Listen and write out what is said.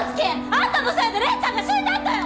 あんたのせいで礼ちゃんが死んだんだよ！